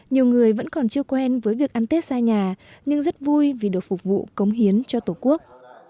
nhiều người vẫn còn chưa quen với việc ăn tết xa nhà nhưng rất vui vì được phục vụ cống hiến cho tổ quốc